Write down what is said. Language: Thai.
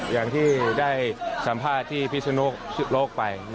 อย่างที่ได้สัมภาษณ์ที่พิศนุโลกไป